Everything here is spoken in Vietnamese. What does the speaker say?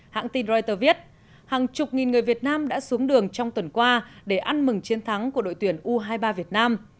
hãng tin reuters hàng chục nghìn người việt nam đã xuống đường trong tuần qua để ăn mừng chiến thắng của đội tuyển u hai mươi ba việt nam